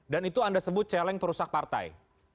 dan itu anda sebut celeng perusak partai